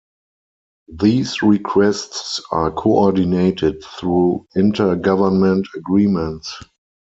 These requests are coordinated through inter-government agreements.